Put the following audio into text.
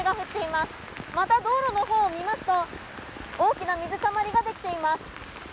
また、道路のほうを見ますと大きな水たまりができています。